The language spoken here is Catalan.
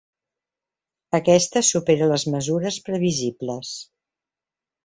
Aquesta supera les mesures previsibles.